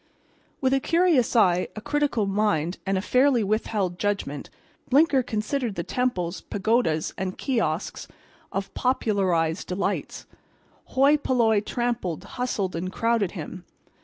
With a curious eye, a critical mind and a fairly withheld judgment Blinker considered the temples, pagodas and kiosks of popularized delights. Hoi polloi trampled, hustled and crowded him.